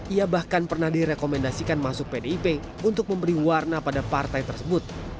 ia bahkan pernah direkomendasikan masuk pdip untuk memberi warna pada partai tersebut